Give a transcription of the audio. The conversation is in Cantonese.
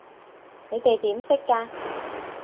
你哋點識㗎？